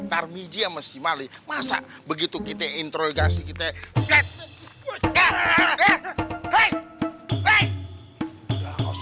tarmidji masih mali masa begitu kita intro gasi kita